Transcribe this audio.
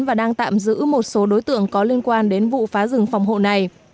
và đang tạm giữ một số đối tượng có liên quan đến vụ phá rừng phòng hộ này